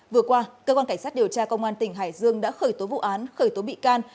vừa qua cơ quan cảnh sát điều tra công an tỉnh hải dương đã khởi tố vụ án khởi tố bị can